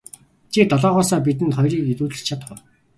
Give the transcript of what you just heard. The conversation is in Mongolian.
Чи долоогоосоо бидэнд хоёрыг илүүчилж чадах уу.